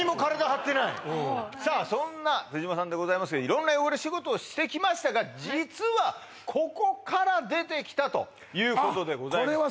はいそんな手島さんでございますが色んな汚れ仕事をしてきましたが実はここから出てきたということでございます